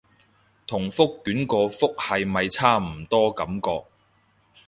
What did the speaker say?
同覆卷個覆係咪差唔多感覺